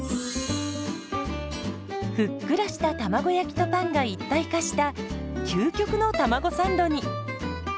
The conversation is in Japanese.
ふっくらした卵焼きとパンが一体化した究極のたまごサンドに。